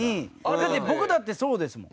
だって僕だってそうですもん。